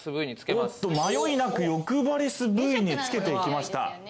おっと迷いなくヨクバリスＶにつけていきました。